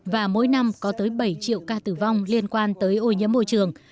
và mỗi năm có tới bảy triệu ca tử vong liên quan tới ô nhiễm môi trường